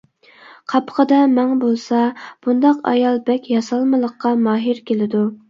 قاپىقىدا مەڭ بولسا، بۇنداق ئايال بەك ياسالمىلىققا ماھىر كېلىدۇ.